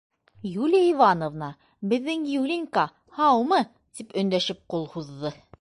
— Юлия Ивановна, беҙҙең Юлинька, һаумы? — тип өндәшеп ҡул һуҙҙы.